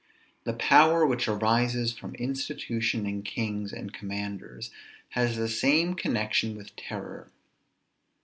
The power which arises from institution in kings and commanders, has the same connection with terror.